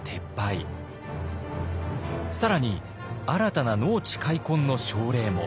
更に新たな農地開墾の奨励も。